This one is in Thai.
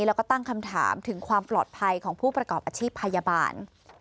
แล้วก็ตั้งคำถามถึงความปลอดภัยของผู้ประกอบอาชีพพยาบาล